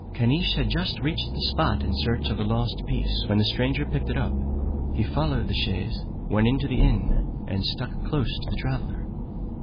Caniche had just reached the spot in search of the lost piece when the stranger picked it up. He followed the chaise, went into the inn, and stuck close to the traveller.